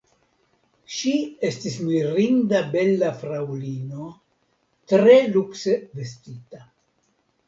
Ŝi estis mirinde bela fraŭlino, tre lukse vestita.